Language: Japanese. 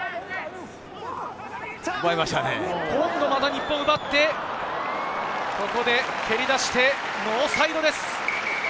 日本が奪って、ここで蹴り出して、ノーサイドです。